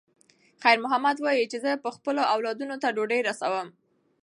خیر محمد وایي چې زه به خپلو اولادونو ته ډوډۍ رسوم.